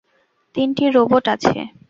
তিনটি রোবট আছে।